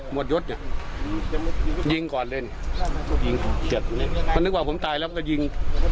หมวดยถกอดเล่นเกี้ยวว่าผมตายแล้วก็ยิง